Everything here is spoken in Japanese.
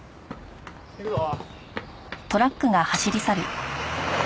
行くぞ。